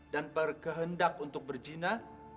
dan berkehendak untuk berjina